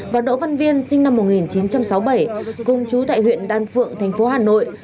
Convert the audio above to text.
và đỗ văn viên sinh năm một nghìn chín trăm sáu mươi bảy cùng chú tại huyện đan phượng thành phố hà nội